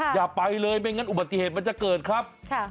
อย่าไปเลยไม่งั้นอุบัติเหตุมันจะเกิดครับ